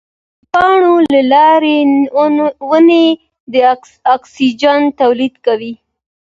د پاڼو له لارې ونې د اکسیجن تولید کوي.